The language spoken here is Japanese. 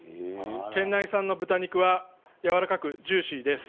県内産の豚肉はやわらかくジューシーです。